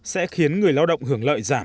sẽ khiến người lao động hưởng lợi giảm